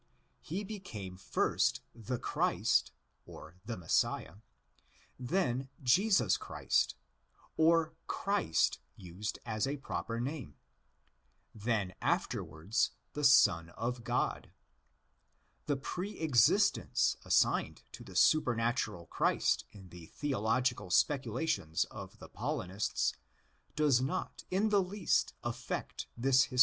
He became first the Christ (the Messiah); then Jesus Christ, or Christ (used as ἃ proper name); then afterwards the Son of God. The pre existence assigned to the super natural Christ in the theological speculations of the Paulinists does not in the least affect this historical order of Christian ideas.